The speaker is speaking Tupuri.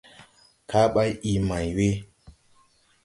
Kaa bày ii may we ?